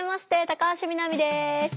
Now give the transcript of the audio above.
高橋みなみです。